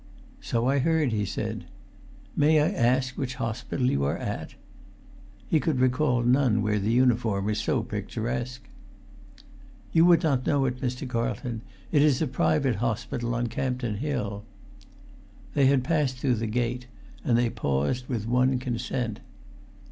"So I heard," he said. "May I ask which hospital you are at?" He could recall none where the uniform was so picturesque. "You would not know it, Mr. Carlton; it is a private hospital on Campden Hill." They had passed through the gate, and they paused with one consent.